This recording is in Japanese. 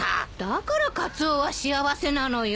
だからカツオは幸せなのよ。